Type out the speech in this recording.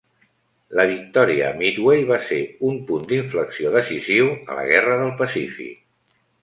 La victòria a Midway va ser un punt d'inflexió decisiu a la guerra del Pacífic.